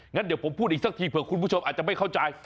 งั้นเดี๋ยวผมพูดอีกสักทีเผื่อคุณผู้ชมอาจจะไม่เข้าใจ